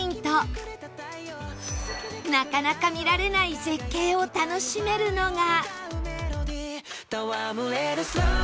なかなか見られない絶景を楽しめるのが